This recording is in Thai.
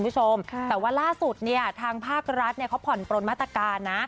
แต่ว่าล่าสุดทางภาครัฐเขาผ่อนโปรดมาตรการนะ